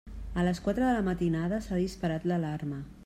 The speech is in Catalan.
A les quatre de la matinada s'ha disparat l'alarma.